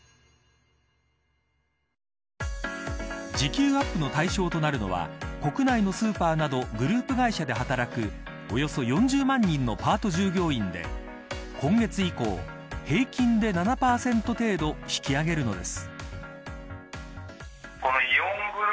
時給アップの対象となるのは国内のスーパーなどグループ会社で働くおよそ４０万人のパート従業員で今月以降平均７％程度引き上げるのです。